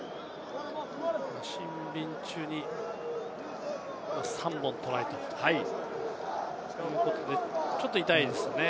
シンビン中に３本トライということで、ちょっと痛いですよね。